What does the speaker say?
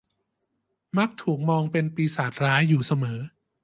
มักถูกมองเป็นปีศาจร้ายอยู่เสมอ